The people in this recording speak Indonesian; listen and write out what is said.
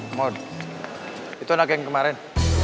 namun itu anak yang kemarin